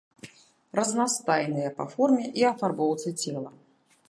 Разнастайныя па форме і афарбоўцы цела.